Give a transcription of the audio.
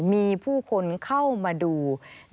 มีผู้คนเข้ามาดู